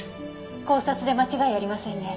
絞殺で間違いありませんね。